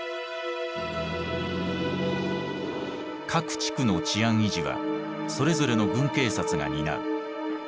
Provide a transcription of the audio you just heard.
各地区の治安維持はそれぞれの軍警察が担う。